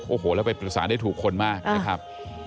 โอ้โหแล้วไปปรึกษาได้ถูกคนมากนะครับ